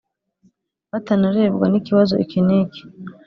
batanarebwa n ikibazo iki n iki